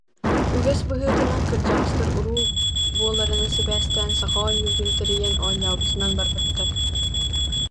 Үгэс быһыытынан кырдьаҕастар уруу буоларынан сибээстээн, саха оонньуутун тэрийэн оонньообутунан барбыттар